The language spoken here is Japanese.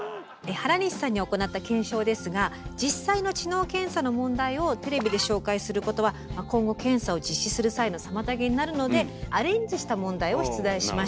原西さんに行った検証ですが実際の知能検査の問題をテレビで紹介することは今後検査を実施する際の妨げになるのでアレンジした問題を出題しました。